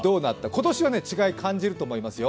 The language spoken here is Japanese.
今年は違い感じると思いますよ。